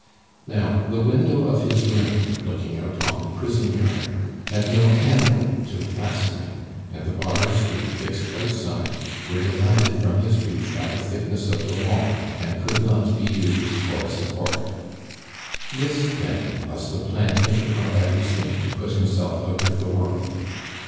Now the window of his room, looking out on the prison yard, had no handle to the fastening; and the bars, being fixed outside, were divided from his reach by the thickness of the wall, and could not be used for a support. This, then, was the plan hit upon by Lucien to put himself out of the world.